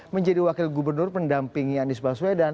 menjadi wakil gubernur pendampingi anies baswedan